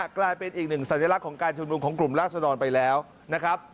กลายเป็นอีกหนึ่งสัญลักษณ์ของการชุมนุมของกลุ่มราศดรไปแล้วนะครับ